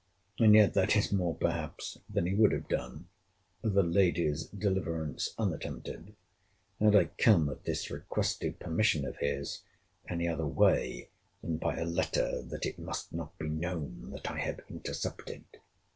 And yet that is more perhaps than he would have done (the lady's deliverance unattempted) had I come at this requested permission of his any other way than by a letter that it must not be known that I have intercepted.